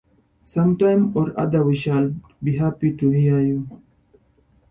Some time or other we shall be happy to hear you.